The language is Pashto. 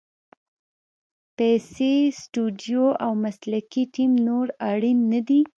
پیسې، سټوډیو او مسلکي ټیم نور اړین نه دي.